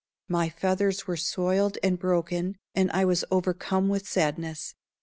My feathers were soiled and broken, and I was overcome with sadness.